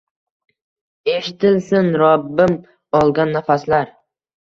eshitilsin Rabbim olgan nafaslar.